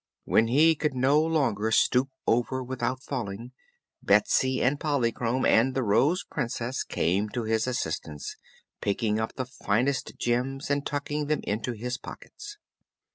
When he could no longer stoop over without falling, Betsy and Polychrome and the Rose Princess came to his assistance, picking up the finest gems and tucking them into his pockets.